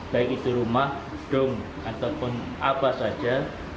baik itu rumah dom ataupun apa saja